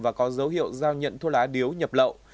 và có dấu hiệu giao nhận thuốc lá điếu nhập lậu